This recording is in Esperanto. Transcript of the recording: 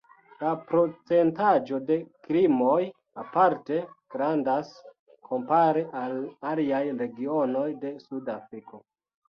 La procentaĵo de krimoj aparte grandas, kompare al aliaj regionoj de Sud-Afriko.